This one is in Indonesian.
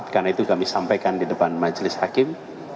karena itu kami sampaikan di depan majelis hakim